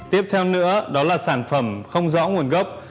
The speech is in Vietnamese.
tiếp theo nữa đó là sản phẩm không rõ nguồn gốc